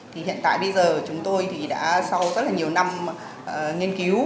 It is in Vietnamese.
thì hiện tại bây giờ chúng tôi đã sau rất nhiều năm nghiên cứu